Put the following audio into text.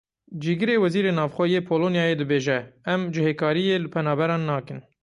Cîgirê Wezîrê Navxwe yê Polonyayê dibêje; em cihêkariyê li penaberan nakin.